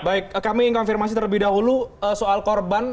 baik kami ingin konfirmasi terlebih dahulu soal korban